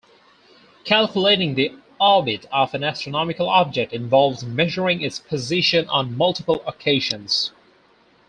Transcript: Calculating the orbit of an astronomical object involves measuring its position on multiple occasions.